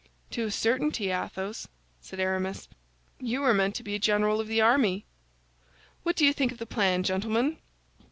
"To a certainty, Athos," said Aramis, "you were meant to be a general of the army! What do you think of the plan, gentlemen?"